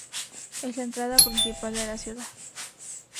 Es la entrada principal de la ciudad.